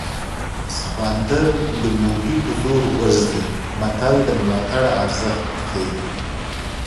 سخوندر د موږي په زور غورځي متل د ملاتړ ارزښت ښيي